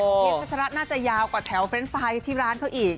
เพชรพัชระน่าจะยาวกว่าแถวเรนด์ไฟที่ร้านเขาอีก